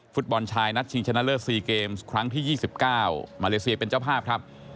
ฟุตบอลชายนัดชิงชนะเลิศ๔เกมส์ครั้งที่๒๙มาเลเซียเป็นเจ้าภาพครับ